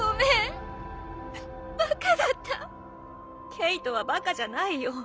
ケイトはバカじゃないよ。